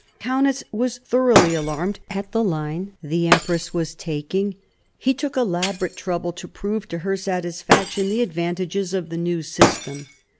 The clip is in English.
Kaunitz was thoroughly alarmed at the line the L 140 MARIA THERESA chap, vh empress was taking. . He took elaborate trouble to prove to her satisfaction the advantages of the new system.